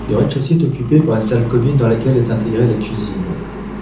Le rez-de-chaussée est occupé par une salle commune dans laquelle est intégrée la cuisine.